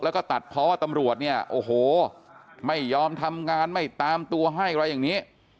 แล้วก็ตัดเพราะว่าตำรวจเนี่ยโอ้โหไม่ยอมทำงานไม่ตามตัวให้อะไรอย่างนี้